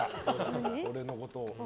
俺のことを。